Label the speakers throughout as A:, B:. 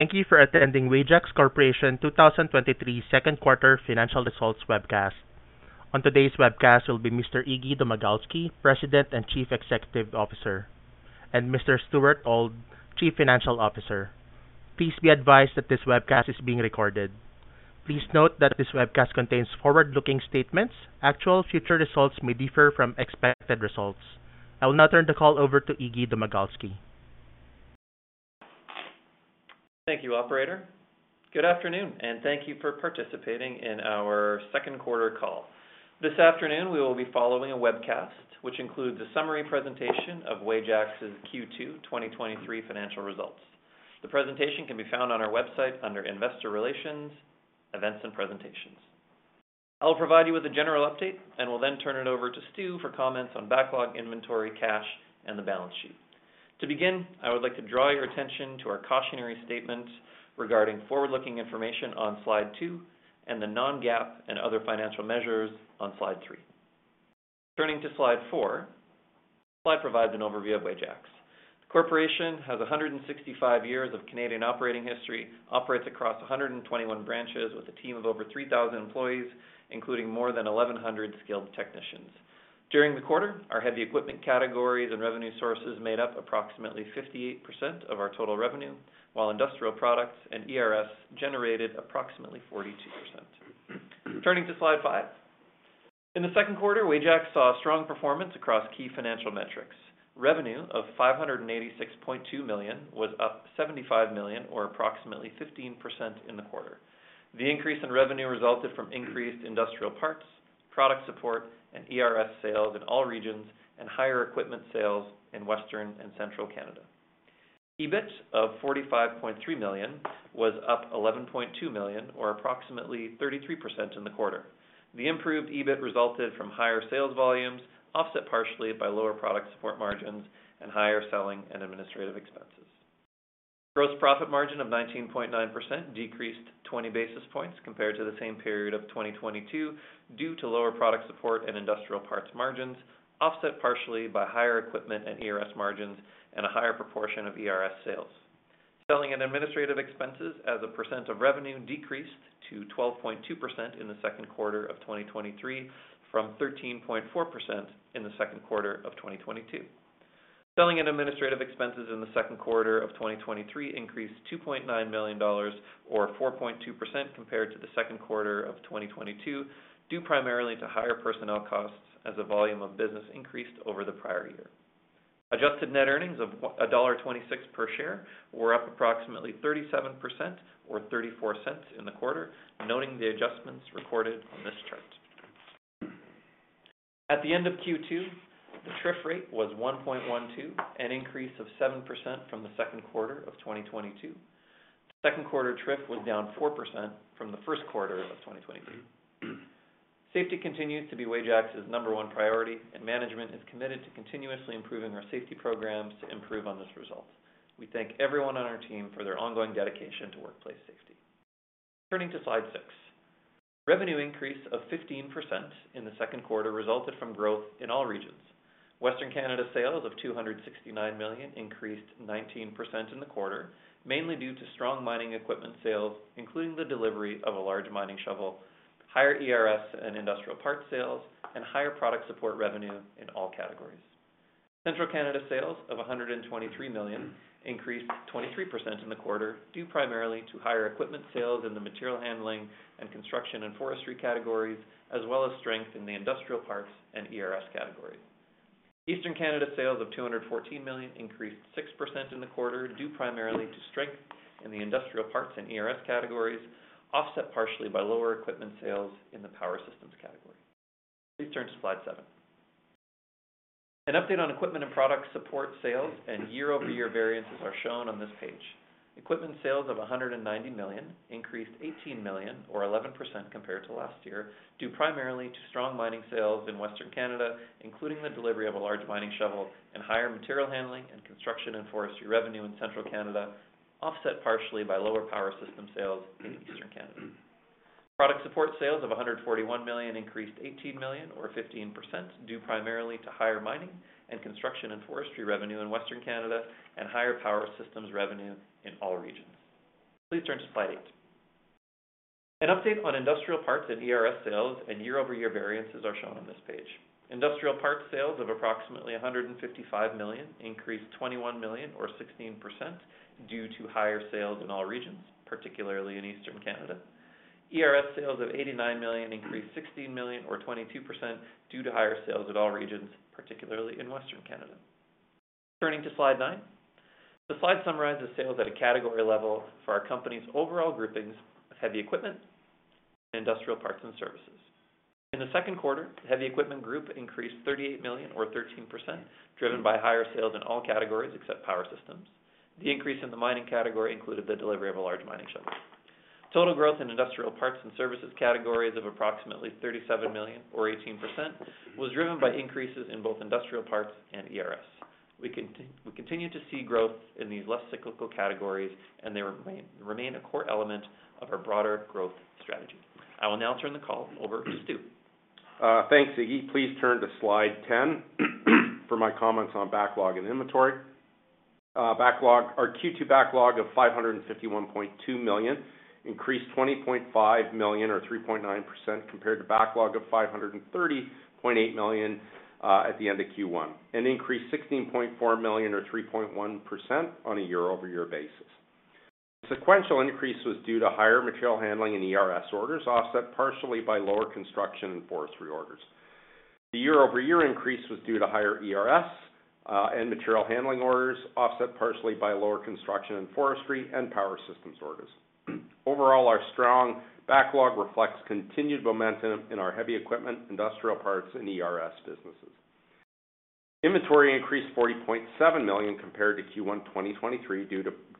A: Thank you for attending Wajax Corporation 2023 Second Quarter Financial Results webcast. On today's webcast will be Mr. Iggy Domagalski, President and Chief Executive Officer, Mr. Stuart Auld, Chief Financial Officer. Please be advised that this webcast is being recorded. Please note that this webcast contains forward-looking statements. Actual future results may differ from expected results. I will now turn the call over to Iggy Domagalski.
B: Thank you, operator. Good afternoon, and thank you for participating in our second quarter call. This afternoon, we will be following a webcast, which includes a summary presentation of Wajax's Q2 2023 Financial Results. The presentation can be found on our website under Investor Relations, Events and Presentations. I'll provide you with a general update, and will then turn it over to Stu for comments on backlog, inventory, cash, and the balance sheet. To begin, I would like to draw your attention to our cautionary statement regarding forward-looking information on slide two, and the non-GAAP and other financial measures on slide three. Turning to slide four, the slide provides an overview of Wajax. The corporation has 165 years of Canadian operating history, operates across 121 branches with a team of over 3,000 employees, including more than 1,100 skilled technicians. During the quarter, our heavy equipment categories and revenue sources made up approximately 58% of our total revenue, while industrial products and ERS generated approximately 42%. Turning to slide five. In the second quarter, Wajax saw a strong performance across key financial metrics. Revenue of 586.2 million was up 75 million, or approximately 15% in the quarter. The increase in revenue resulted from increased industrial parts, product support, and ERS sales in all regions, and higher equipment sales in Western and Central Canada. EBIT of 45.3 million was up 11.2 million, or approximately 33% in the quarter. The improved EBIT resulted from higher sales volumes, offset partially by lower product support margins and higher selling and administrative expenses. Gross profit margin of 19.9% decreased 20 basis points compared to the same period of 2022, due to lower product support and industrial parts margins, offset partially by higher equipment and ERS margins and a higher proportion of ERS sales. Selling and administrative expenses as a percent of revenue decreased to 12.2% in the second quarter of 2023 from 13.4% in the second quarter of 2022. Selling and administrative expenses in the second quarter of 2023 increased 2.9 million dollars, or 4.2% compared to the second quarter of 2022, due primarily to higher personnel costs as the volume of business increased over the prior year. Adjusted Net Earnings of dollar 1.26 per share were up approximately 37% or 0.34 in the quarter, noting the adjustments recorded on this chart. At the end of Q2, the TRIF rate was 1.12, an increase of 7% from the second quarter of 2022. Second quarter TRIF was down 4% from the first quarter of 2022. Safety continues to be Wajax's number one priority, and management is committed to continuously improving our safety programs to improve on this result. We thank everyone on our team for their ongoing dedication to workplace safety. Turning to slide six. Revenue increase of 15% in the second quarter resulted from growth in all regions. Western Canada sales of 269 million increased 19% in the quarter, mainly due to strong mining equipment sales, including the delivery of a large mining shovel, higher ERS and industrial parts sales, and higher product support revenue in all categories. Central Canada sales of 123 million increased 23% in the quarter, due primarily to higher equipment sales in the material handling and construction and forestry categories, as well as strength in the industrial parts and ERS categories. Eastern Canada sales of 214 million increased 6% in the quarter, due primarily to strength in the industrial parts and ERS categories, offset partially by lower equipment sales in the power systems category. Please turn to slide seven. An update on equipment and product support sales and year-over-year variances are shown on this page. Equipment sales of 190 million increased 18 million or 11% compared to last year, due primarily to strong mining sales in Western Canada, including the delivery of a large mining shovel and higher material handling and construction and forestry revenue in Central Canada, offset partially by lower power system sales in Eastern Canada. Product support sales of 141 million increased 18 million or 15%, due primarily to higher mining and construction and forestry revenue in Western Canada and higher power systems revenue in all regions. Please turn to slide eight. An update on industrial parts and ERS sales and year-over-year variances are shown on this page. Industrial parts sales of approximately 155 million increased 21 million or 16% due to higher sales in all regions, particularly in Eastern Canada. ERS sales of 89 million increased 16 million or 22% due to higher sales at all regions, particularly in Western Canada. Turning to slide nine. This slide summarizes sales at a category level for our company's overall groupings of heavy equipment and industrial parts and services. In the second quarter, the heavy equipment group increased 38 million or 13%, driven by higher sales in all categories except power systems. The increase in the mining category included the delivery of a large mining shovel. Total growth in industrial parts and services categories of approximately 37 million or 18% was driven by increases in both industrial parts and ERS. We continue to see growth in these less cyclical categories, and they remain a core element of our broader growth strategy. I will now turn the call over to Stu.
C: Thanks, Iggy. Please turn to slide 10 for my comments on backlog and inventory. Backlog, our Q2 backlog of $551.2 million increased $20.5 million or 3.9% compared to backlog of $530.8 million at the end of Q1, and increased $16.4 million or 3.1% on a year-over-year basis. Sequential increase was due to higher material handling and ERS orders, offset partially by lower construction and forestry orders. Year-over-year increase was due to higher ERS and material handling orders, offset partially by lower construction and forestry and power systems orders. Overall, our strong backlog reflects continued momentum in our heavy equipment, industrial parts, and ERS businesses. Inventory increased 40.7 million compared to Q1 2023,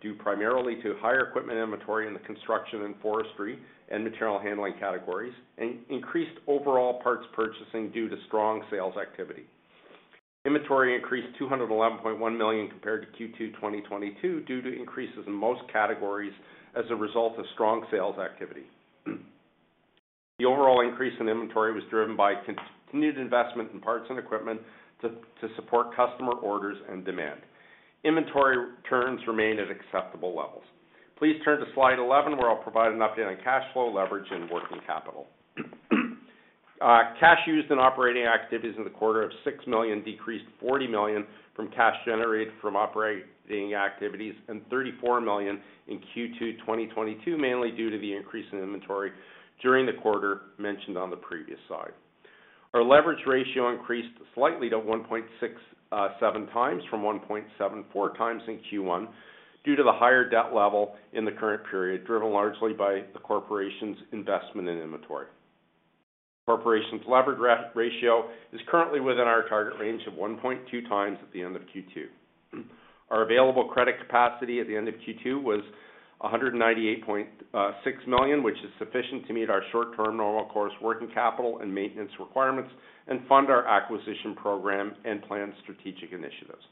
C: due primarily to higher equipment inventory in the construction and forestry and material handling categories, and increased overall parts purchasing due to strong sales activity. Inventory increased 211.1 million compared to Q2 2022, due to increases in most categories as a result of strong sales activity. The overall increase in inventory was driven by continued investment in parts and equipment to support customer orders and demand. Inventory turns remain at acceptable levels. Please turn to slide 11, where I'll provide an update on cash flow, leverage, and working capital. Cash used in operating activities in the quarter of 6 million decreased 40 million from cash generated from operating activities and 34 million in Q2 2022, mainly due to the increase in inventory during the quarter mentioned on the previous slide. Our leverage ratio increased slightly to 1.67x from 1.74x in Q1, due to the higher debt level in the current period, driven largely by the corporation's investment in inventory. Corporation's leverage ratio is currently within our target range of 1.2x at the end of Q2. Our available credit capacity at the end of Q2 was 198.6 million, which is sufficient to meet our short-term normal course working capital and maintenance requirements, and fund our acquisition program and plan strategic initiatives.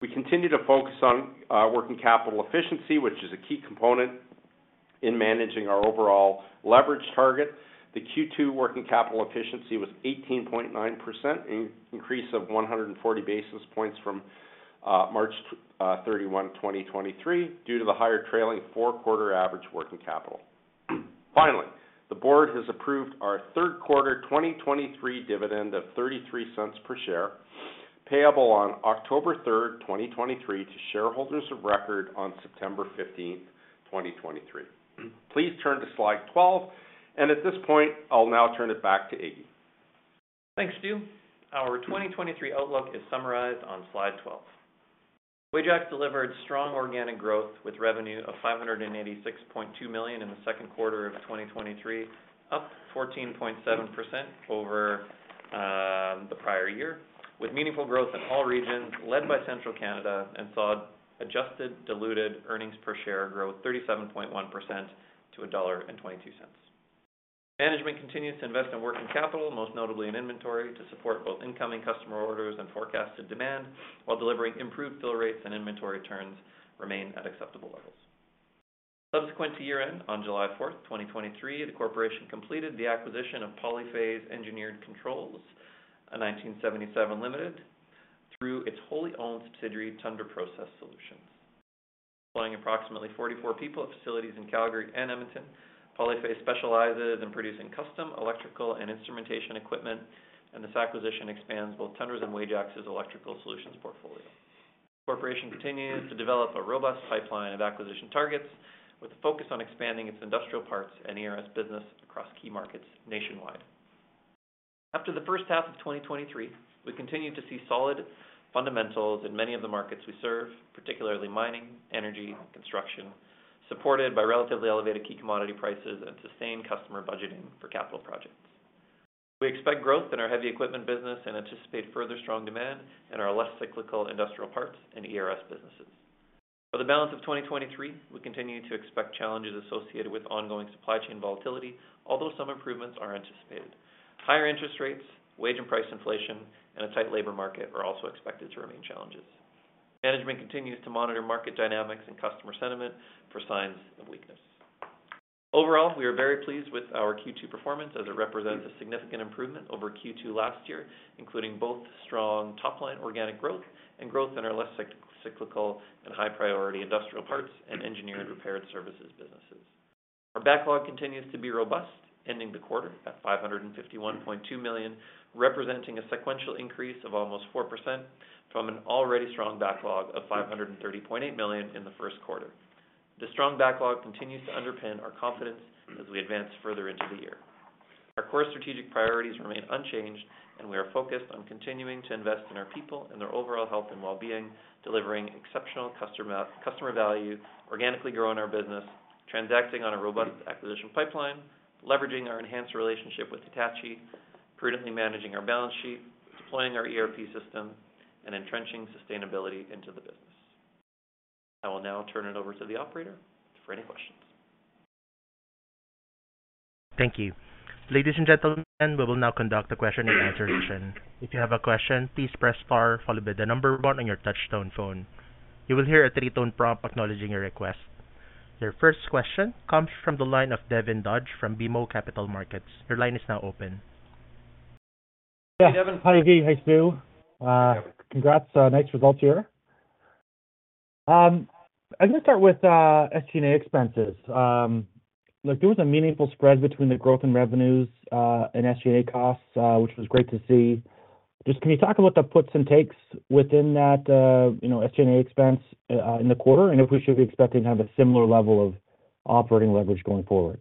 C: We continue to focus on working capital efficiency, which is a key component in managing our overall leverage target. The Q2 working capital efficiency was 18.9%, an increase of 140 basis points from March 31, 2023, due to the higher trailing four-quarter average working capital. Finally, the board has approved our third quarter 2023 dividend of $0.33 per share, payable on October 3, 2023, to shareholders of record on September 15, 2023. Please turn to slide 12, and at this point, I'll now turn it back to Iggy.
B: Thanks, Stu. Our 2023 outlook is summarized on slide 12. Wajax delivered strong organic growth with revenue of 586.2 million in the second quarter of 2023, up 14.7% over the prior year, with meaningful growth in all regions led by Central Canada, and saw adjusted diluted earnings per share grow 37.1% to 1.22 dollar. Management continues to invest in working capital, most notably in inventory, to support both incoming customer orders and forecasted demand, while delivering improved fill rates and inventory turns remain at acceptable levels. Subsequent to year-end, on July 4th, 2023, the corporation completed the acquisition of Polyphase Engineered Controls, a 1977 Limited, through its wholly owned subsidiary, Tundra Process Solutions. Employing approximately 44 people of facilities in Calgary and Edmonton, Polyphase specializes in producing custom electrical and instrumentation equipment, and this acquisition expands both Tundra's and Wajax's electrical solutions portfolio. The corporation continues to develop a robust pipeline of acquisition targets, with a focus on expanding its industrial parts and ERS business across key markets nationwide. After the first half of 2023, we continued to see solid fundamentals in many of the markets we serve, particularly mining, energy, and construction, supported by relatively elevated key commodity prices and sustained customer budgeting for capital projects. We expect growth in our heavy equipment business and anticipate further strong demand in our less cyclical industrial parts and ERS businesses. For the balance of 2023, we continue to expect challenges associated with ongoing supply chain volatility, although some improvements are anticipated. Higher interest rates, wage and price inflation, and a tight labor market are also expected to remain challenges. Management continues to monitor market dynamics and customer sentiment for signs of weakness. Overall, we are very pleased with our Q2 performance as it represents a significant improvement over Q2 last year, including both strong top-line organic growth and growth in our less cyclical and high-priority industrial parts and engineered repair services businesses. Our backlog continues to be robust, ending the quarter at 551.2 million, representing a sequential increase of almost 4% from an already strong backlog of 530.8 million in the first quarter. The strong backlog continues to underpin our confidence as we advance further into the year. Our core strategic priorities remain unchanged. We are focused on continuing to invest in our people and their overall health and well-being, delivering exceptional customer value, organically growing our business, transacting on a robust acquisition pipeline, leveraging our enhanced relationship with Hitachi, prudently managing our balance sheet, deploying our ERP system, and entrenching sustainability into the business. I will now turn it over to the operator for any questions.
A: Thank you. Ladies and gentlemen, we will now conduct a question and answer session. If you have a question, please press star followed by the number one on your touchtone phone. You will hear a three-tone prompt acknowledging your request. Your first question comes from the line of Devin Dodge from BMO Capital Markets. Your line is now open.
B: Hey, Devin.
D: Hi, Iggy. Hey, Stu. Congrats on nice results here. I'm gonna start with SG&A expenses. Like, there was a meaningful spread between the growth in revenues and SG&A costs, which was great to see. Just can you talk about the puts and takes within that, you know, SG&A expense in the quarter, and if we should be expecting to have a similar level of operating leverage going forward?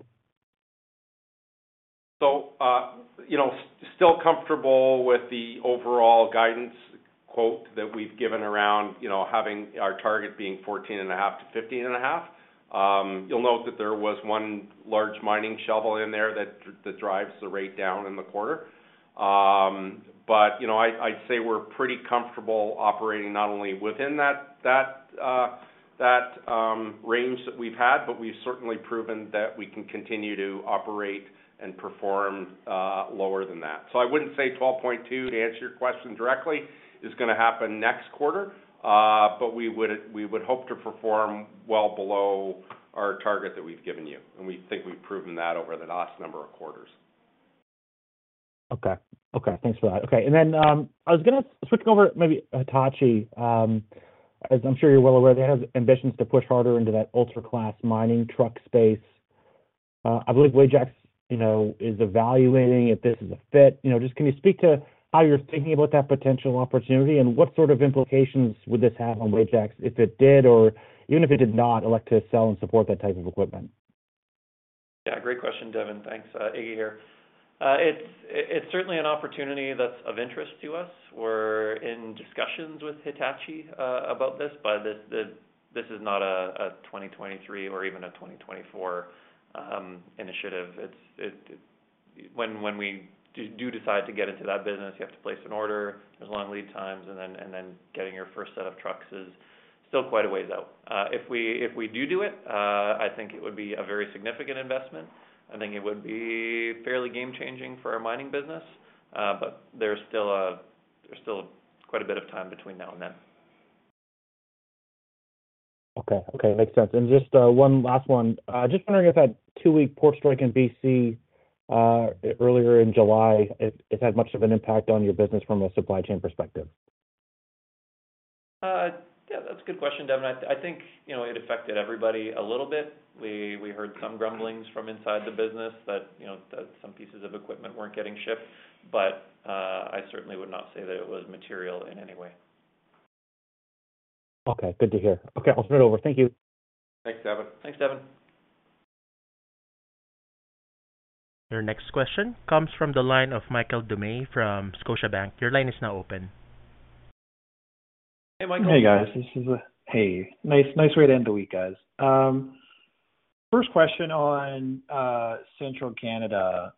C: You know, still comfortable with the overall guidance quote that we've given around, you know, having our target being 14.5-15.5. You'll note that there was one large mining shovel in there that, that drives the rate down in the quarter. You know, I, I'd say we're pretty comfortable operating not only within that, that, that range that we've had, but we've certainly proven that we can continue to operate and perform lower than that. I wouldn't say 12.2, to answer your question directly, is gonna happen next quarter, but we would, we would hope to perform well below our target that we've given you, and we think we've proven that over the last number of quarters.
D: Okay. Okay, thanks for that. Okay, and then, I was gonna switch over maybe Hitachi. As I'm sure you're well aware, they have ambitions to push harder into that ultra-class mining truck space. I believe Wajax, you know, is evaluating if this is a fit. You know, just can you speak to how you're thinking about that potential opportunity, and what sort of implications would this have on Wajax if it did, or even if it did not elect to sell and support that type of equipment?
B: Yeah, great question, Devin. Thanks. Iggy here. It's, it's certainly an opportunity that's of interest to us. We're in discussions with Hitachi, about this, but this, this, this is not a, a 2023 or even a 2024 initiative. It's. It, when, when we do, do decide to get into that business, you have to place an order. There's long lead times, and then, and then getting your first set of trucks is still quite a ways out. If we, if we do do it, I think it would be a very significant investment. I think it would be fairly game-changing for our mining business, but there's still a, there's still quite a bit of time between now and then.
D: Okay. Okay, makes sense. Just one last one. Just wondering if that two-week port strike in BC earlier in July, if it had much of an impact on your business from a supply chain perspective?
B: Yeah, that's a good question, Devin. I think, you know, it affected everybody a little bit. We heard some grumblings from inside the business that, you know, that some pieces of equipment weren't getting shipped, but I certainly would not say that it was material in any way.
D: Okay, good to hear. Okay, I'll turn it over. Thank you.
C: Thanks, Devin.
B: Thanks, Devin.
A: Your next question comes from the line of Michael Doumet from Scotiabank. Your line is now open.
B: Hey, Michael.
E: Hey, guys. This is. Hey, nice, nice way to end the week, guys. First question on Central Canada.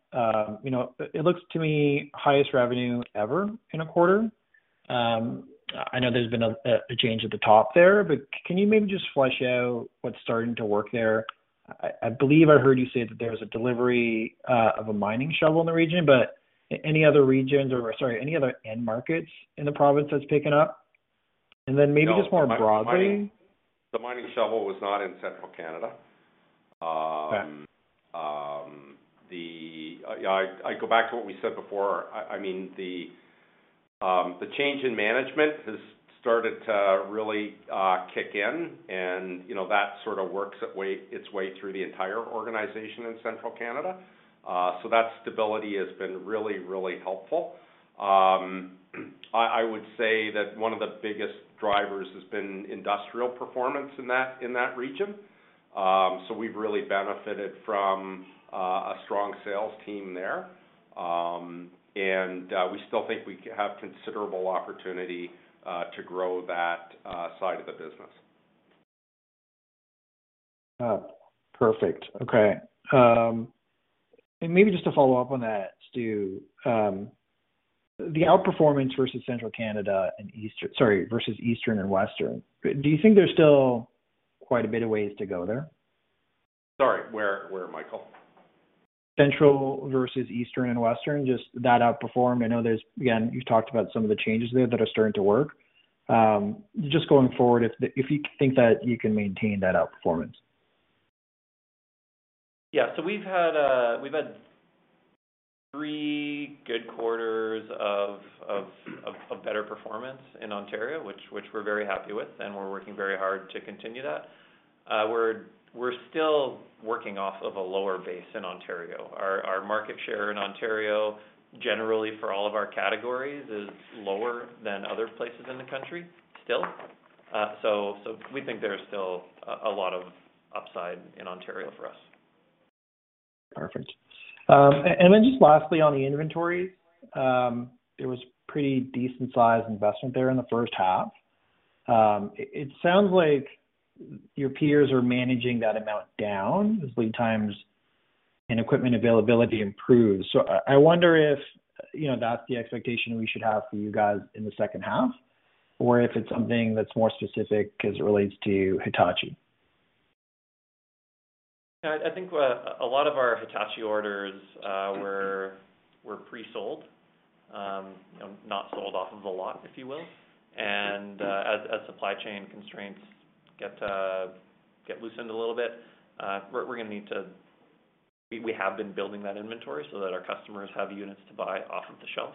E: You know, it looks to me highest revenue ever in a quarter. I know there's been a change at the top there, but can you maybe just flesh out what's starting to work there? I believe I heard you say that there was a delivery of a mining shovel in the region, but any other regions or, sorry, any other end markets in the province that's picking up? Then maybe just more broadly-
C: The mining shovel was not in Central Canada.
E: Okay.
C: The, I, I go back to what we said before. I, I mean, the, the change in management has started to really kick in, and, you know, that sort of works its way, its way through the entire organization in Central Canada. That stability has been really, really helpful. I, I would say that one of the biggest drivers has been industrial performance in that, in that region. We've really benefited from a strong sales team there. We still think we c-- have considerable opportunity to grow that side of the business.
E: Perfect. Okay. Maybe just to follow up on that, Stu, the outperformance versus Central Canada and Eastern-- sorry, versus Eastern and Western, do you think there's still quite a bit of ways to go there?
C: Sorry, where, where, Michael?
E: Central versus Eastern and Western, just that outperformed. I know there's, again, you've talked about some of the changes there that are starting to work. Just going forward, if, if you think that you can maintain that outperformance?
B: Yeah. We've had three good quarters of better performance in Ontario, which we're very happy with, and we're working very hard to continue that. We're still working off of a lower base in Ontario. Our market share in Ontario, generally for all of our categories, is lower than other places in the country still. We think there's still a lot of upside in Ontario for us.
E: Perfect. Then just lastly on the inventories, there was pretty decent-sized investment there in the first half. It sounds like your peers are managing that amount down as lead times and equipment availability improves. I wonder if, you know, that's the expectation we should have for you guys in the second half, or if it's something that's more specific as it relates to Hitachi?
B: I, I think, a lot of our Hitachi orders, were, were pre-sold, you know, not sold off of the lot, if you will. As, as supply chain constraints get, get loosened a little bit, we're, we're gonna need to - we, we have been building that inventory so that our customers have units to buy off of the shelf.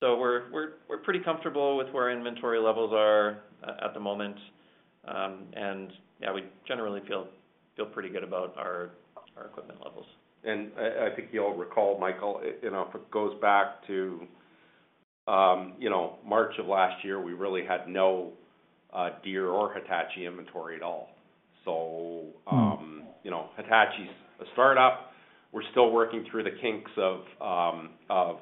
B: We're, we're, we're pretty comfortable with where our inventory levels are at, at the moment. And yeah, we generally feel, feel pretty good about our, our equipment levels.
C: I, I think you'll recall, Michael, it, you know, it goes back to, you know, March of last year, we really had no Deere or Hitachi inventory at all.
B: Mm-hmm.
C: you know, Hitachi's a startup. We're still working through the kinks of, of,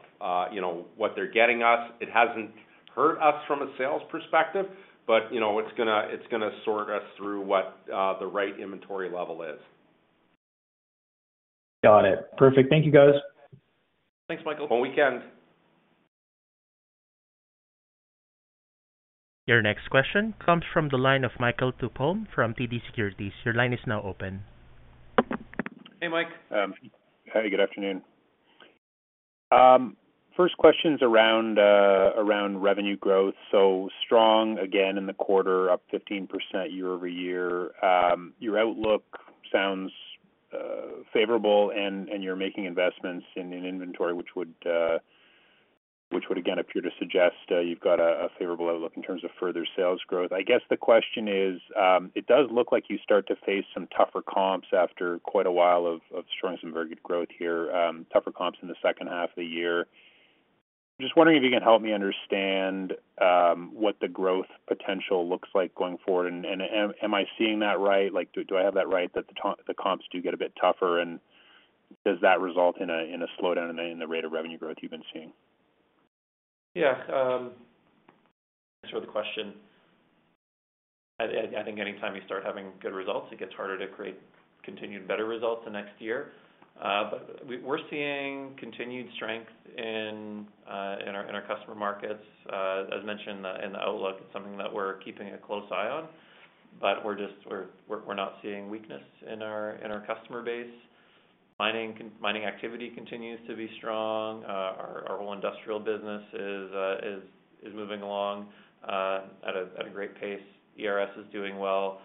C: you know, what they're getting us. It hasn't hurt us from a sales perspective, but, you know, it's gonna, it's gonna sort us through what the right inventory level is.
F: Got it. Perfect. Thank you, guys.
B: Thanks, Michael.
C: Have a weekend!
A: Your next question comes from the line of Michael Tupholme from TD Securities. Your line is now open.
B: Hey, Mike.
F: Hey, good afternoon. First question's around, around revenue growth. Strong again in the quarter, up 15% year-over-year. Your outlook sounds favorable, and, and you're making investments in, in inventory, which would, which would again appear to suggest, you've got a, a favorable outlook in terms of further sales growth. I guess the question is, it does look like you start to face some tougher comps after quite a while of, of strong and very good growth here, tougher comps in the second half of the year. Just wondering if you can help me understand, what the growth potential looks like going forward, and, and am, am I seeing that right? Like, do I have that right, that the comps do get a bit tougher, and does that result in a slowdown in the rate of revenue growth you've been seeing?
B: Yeah, thanks for the question. I, I, I think anytime you start having good results, it gets harder to create continued better results the next year. We're seeing continued strength in our, in our customer markets. As mentioned in the, in the outlook, it's something that we're keeping a close eye on, but we're just we're, we're not seeing weakness in our, in our customer base. Mining activity continues to be strong. Our, our whole industrial business is, is moving along at a great pace. ERS is doing well.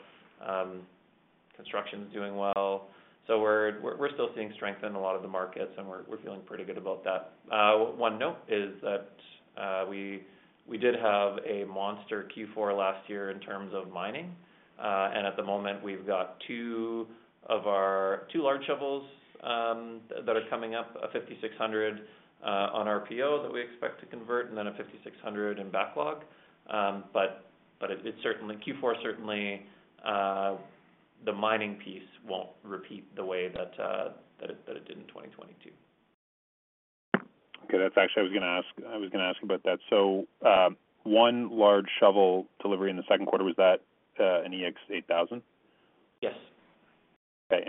B: Construction is doing well. We're, we're, we're still seeing strength in a lot of the markets, and we're, we're feeling pretty good about that. One note is that, we, we did have a monster Q4 last year in terms of mining. At the moment, we've got two of our two large shovels, that are coming up, a EX5600, on our PO that we expect to convert, and then a EX5600 in backlog. It's certainly, Q4, certainly, the mining piece won't repeat the way that, that it, that it did in 2022.
F: Okay. That's actually I was gonna ask, I was gonna ask about that. one large shovel delivery in the second quarter, was that an EX8000?
B: Yes.
F: Okay.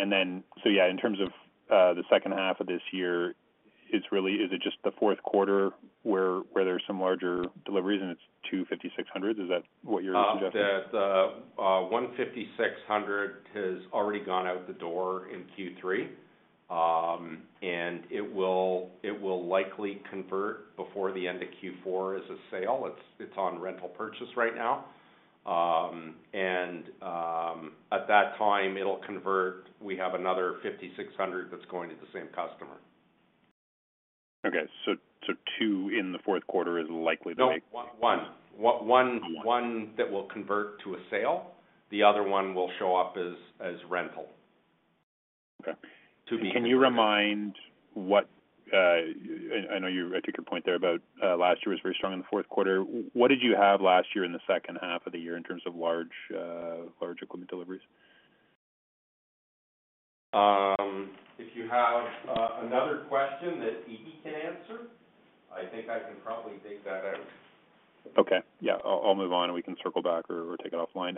F: Yeah, in terms of the second half of this year, it's really... Is it just the fourth quarter where, where there's some larger deliveries, and it's two EX5600? Is that what you're suggesting?
C: That one EX5600 has already gone out the door in Q3. It will, it will likely convert before the end of Q4 as a sale. It's, it's on rental purchase right now. At that time, it'll convert. We have another EX5600 that's going to the same customer.
F: Okay. So two in the fourth quarter is likely to make...
C: No, one. one.
F: One.
C: One that will convert to a sale, the other one will show up as, as rental.
F: Okay.
C: Two-
F: Can you remind what, I, I know you- I took your point there about, last year was very strong in the fourth quarter. W- what did you have last year in the second half of the year in terms of large, large equipment deliveries?
C: If you have another question that he can answer, I think I can probably take that out.
F: Okay. Yeah, I'll, I'll move on, and we can circle back or take it offline.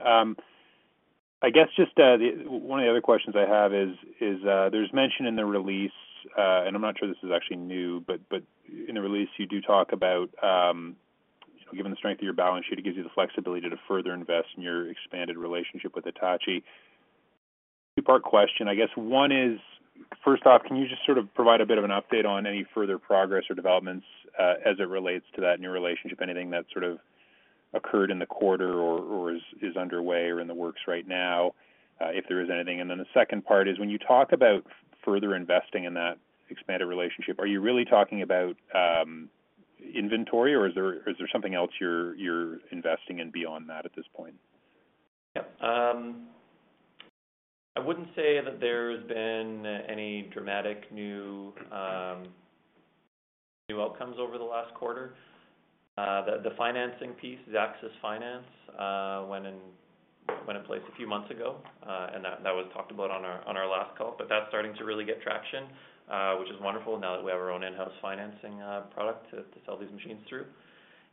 F: I guess just, the one of the other questions I have is, there's mention in the release, and I'm not sure this is actually new, but in the release, you do talk about, you know, given the strength of your balance sheet, it gives you the flexibility to further invest in your expanded relationship with Hitachi. Two-part question. I guess one is, first off, can you just sort of provide a bit of an update on any further progress or developments, as it relates to that new relationship, anything that sort of occurred in the quarter or is underway or in the works right now, if there is anything? Then the second part is, when you talk about further investing in that expanded relationship, are you really talking about inventory, or is there, is there something else you're, you're investing in beyond that at this point?
B: Yeah. I wouldn't say that there's been any dramatic new, new outcomes over the last quarter. The, the financing piece, the ZAXIS Finance, went in, went in place a few months ago, and that, that was talked about on our, on our last call. That's starting to really get traction, which is wonderful now that we have our own in-house financing, product to, to sell these machines through.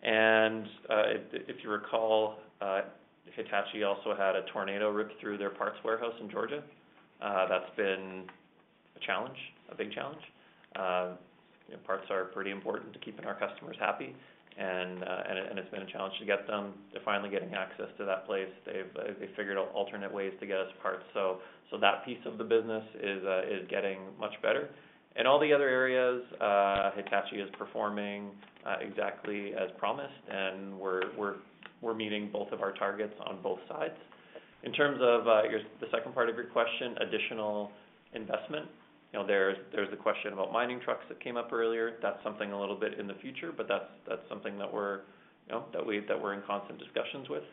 B: If, if you recall, Hitachi also had a tornado rip through their parts warehouse in Georgia. That's been a big challenge. You know, parts are pretty important to keeping our customers happy, and, and it's been a challenge to get them. They're finally getting access to that place. They've, they figured out alternate ways to get us parts. That piece of the business is getting much better. In all the other areas, Hitachi is performing exactly as promised, and we're, we're, we're meeting both of our targets on both sides. In terms of, your, the second part of your question, additional investment, you know, there's, there's the question about mining trucks that came up earlier. That's something a little bit in the future, but that's, that's something that we're, you know, that we've, that we're in constant discussions with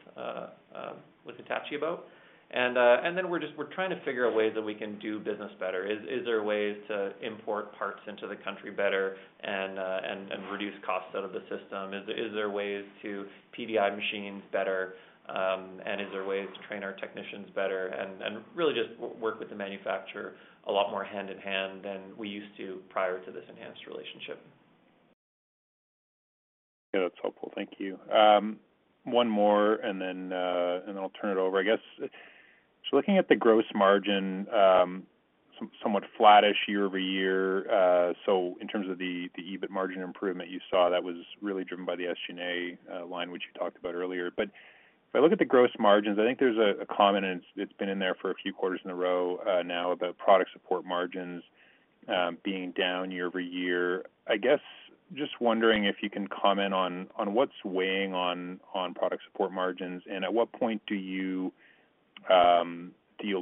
B: Hitachi about. Then we're just, we're trying to figure out ways that we can do business better. Is, is there ways to import parts into the country better and, and reduce costs out of the system? Is, is there ways to PDI machines better? Is there ways to train our technicians better? Really just work with the manufacturer a lot more hand in hand than we used to prior to this enhanced relationship.
F: Yeah, that's helpful. Thank you. One more, and then, and then I'll turn it over, I guess. Looking at the gross margin, somewhat flattish year-over-year, so in terms of the EBIT margin improvement you saw, that was really driven by the SG&A line, which you talked about earlier. If I look at the gross margins, I think there's a comment, and it's, it's been in there for a few quarters in a row, now about product support margins, being down year-over-year. I guess, just wondering if you can comment on what's weighing on product support margins, and at what point do you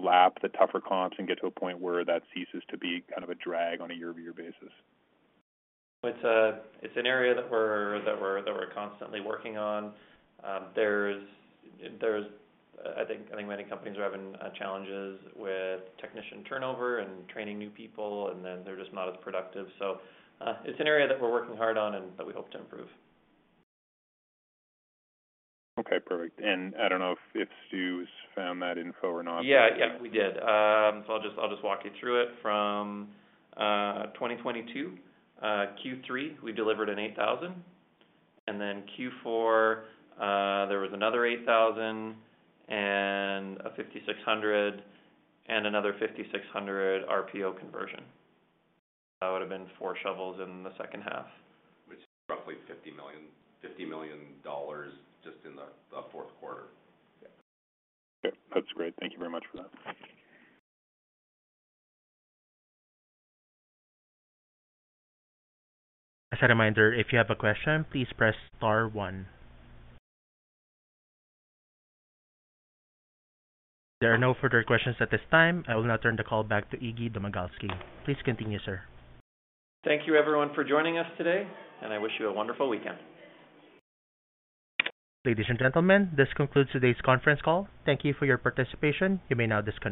F: lap the tougher comps and get to a point where that ceases to be kind of a drag on a year-over-year basis?
B: It's a, it's an area that we're, that we're, that we're constantly working on. There's, there's, I think, I think many companies are having challenges with technician turnover and training new people, and then they're just not as productive. It's an area that we're working hard on and that we hope to improve.
F: Okay, perfect. I don't know if, if Stu's found that info or not?
B: Yeah. Yeah, we did. I'll just, I'll just walk you through it. From 2022, Q3, we delivered an EX8000, and then Q4, there was another EX8000 and a EX5600, and another EX5600 RPO conversion. That would have been four shovels in the second half.
C: Which is roughly $50 million, $50 million just in the, the fourth quarter.
F: Okay. That's great. Thank you very much for that.
A: As a reminder, if you have a question, please press star one. There are no further questions at this time. I will now turn the call back to Iggy Domagalski. Please continue, sir.
B: Thank you, everyone, for joining us today, and I wish you a wonderful weekend.
A: Ladies and gentlemen, this concludes today's conference call. Thank you for your participation. You may now disconnect.